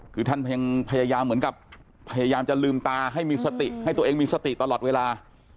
คือท่านพยายามเหมือนกับพยายามจะลืมตาให้มีสติให้ตัวเองมีสติตลอดเวลา